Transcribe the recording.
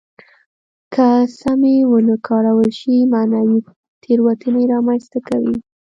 که سمې ونه کارول شي معنوي تېروتنې را منځته کوي.